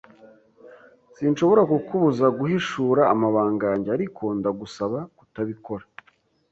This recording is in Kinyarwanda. S S Sinshobora kukubuza guhishura amabanga yanjye. Ariko, ndagusaba kutabikora.